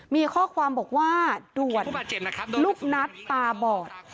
มีข้อความบอกว่าด่วนลูกนัทตาบอด